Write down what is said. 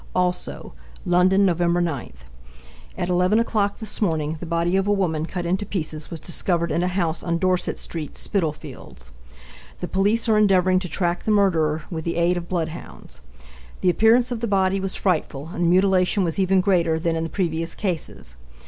London, Nov.9. At 11 o'clock this morning the body of a woman cut into pieces was discovered in a house on Dorset street, Spitalfields. The police are endeavoring to track the murderer with the aid of bloodhounds. The appearence of the body was frightful, and the mutilation was even greater than in the previous cases.